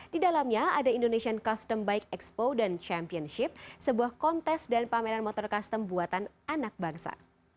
di dalamnya ada indonesian custom bike expo dan championship sebuah kontes dan pameran motor custom buatan anak bangsa